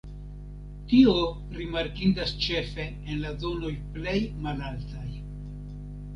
Tio rimarkindas ĉefe en la zonoj plej malaltaj.